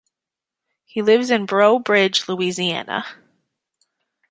He lives in Breaux Bridge, Louisiana.